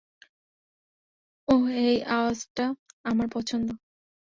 ওহ, এই আওয়াজটা আমার পছন্দ।